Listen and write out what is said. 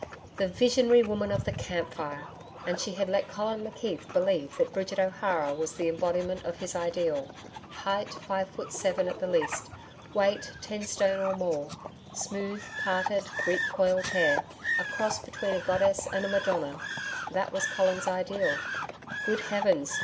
The Visionary Woman of the camp fire! And she had let Colin McKeith believe that Bridget O'Hara was the embodiment of his Ideal height five foot seven at the least: weight ten stone or more: smooth parted, Greek coiled hair: a cross between a goddess and a Madonna that was Colin's Ideal Good Heavens!